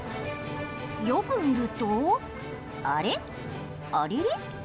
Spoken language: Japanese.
よく見るとあれ、あれれ？